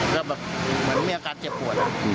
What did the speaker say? เหมือนมีอาการเก็บปวด